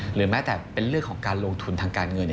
หรือแม้แต่เป็นเรื่องของการลงทุนทางการเงิน